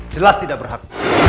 jelas tidak berhak